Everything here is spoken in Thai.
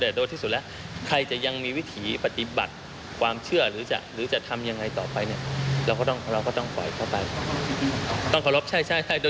ดูอย่างที่สุดไข้จะยังมีวิถีปฏิบัติความเชื่อหรือจะทำยังไงต่อไปเราก็ต้องฝ่ายเข้าไป